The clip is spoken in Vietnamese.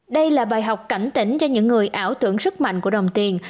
đây là bài học cảnh tỉnh cho những người ảo tưởng sức mạnh của đồng tiền